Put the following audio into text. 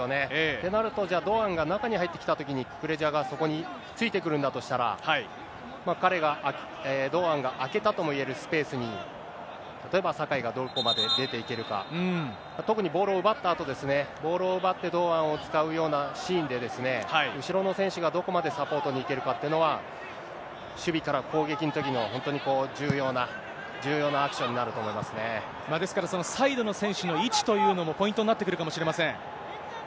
となると、じゃあ、堂安が中に入ってきたときに、ククレジャがそこについてくるんだとしたら、彼が、堂安が空けたともいえるスペースに、例えば酒井がどこまで出ていけるか、特にボールを奪ったあと、ボールを奪って、堂安を使うようなシーンで、後ろの選手がどこまでサポートに行けるかというのは、守備から攻撃のときの、本当に重要な、重要なアクションになるとですから、そのサイドの選手の位置というのもポイントになってくるかもしれません。